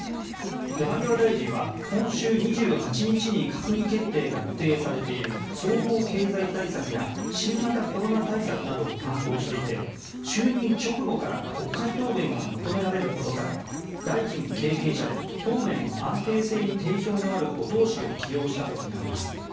山際大臣は今週２８日に閣議決定が予定されている総合経済対策や新型コロナ対策などを担当していて就任直後から国会答弁が求められることから大臣経験者で答弁の安定性に定評のある後藤氏を起用したとみられます。